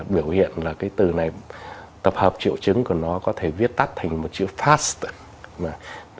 biểu hiện là cái từ này tập hợp triệu chứng của nó có thể viết tắt thành một chữ fast